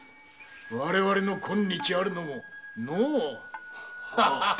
我々の今日あるのものう。